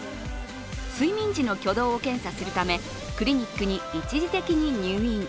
睡眠時の挙動を検査するため、クリニックに一時的に入院。